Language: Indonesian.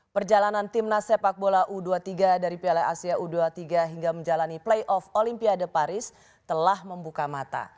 perjalanan timnas sepak bola u dua puluh tiga dari piala asia u dua puluh tiga hingga menjalani playoff olimpiade paris telah membuka mata